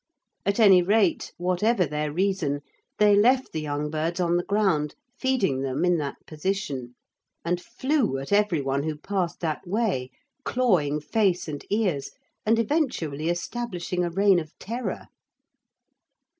At any rate, whatever their reason, they left the young birds on the ground, feeding them in that position, and flew at everyone who passed that way, clawing face and ears, and eventually establishing a reign of terror.